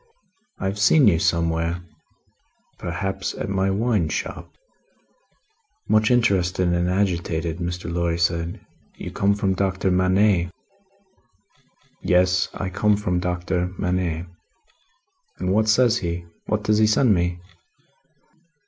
"I have seen you somewhere." "Perhaps at my wine shop?" Much interested and agitated, Mr. Lorry said: "You come from Doctor Manette?" "Yes. I come from Doctor Manette." "And what says he? What does he send me?"